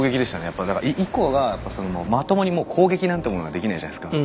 やっぱだからイコがまともにもう攻撃なんてものができないじゃないですか。